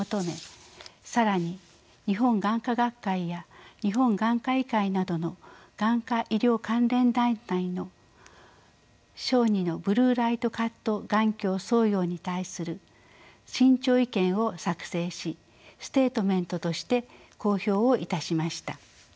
更に日本眼科学会や日本眼科医会などの眼科医療関連団体の小児のブルーライトカット眼鏡装用に対する慎重意見を作成しステートメントとして公表をいたしました。